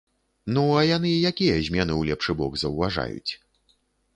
Ну, а яны якія змены ў лепшы бок заўважаюць?